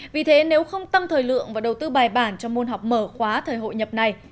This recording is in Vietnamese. vì thế nếu không tăng thời lượng và đầu tư bài bản cho môn học mở khóa thời hội nhập này